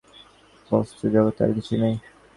আর এই সাধারণ জ্ঞানের মত দুর্লভ বস্তু জগতে আর কিছুই নাই।